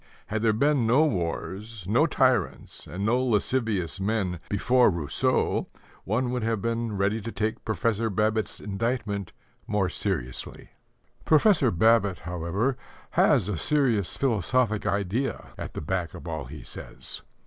Had there been no wars, no tyrants, and no lascivious men before Rousseau, one would have been ready to take Professor Babbitt's indictment more seriously. Professor Babbitt, however, has a serious philosophic idea at the back of all he says.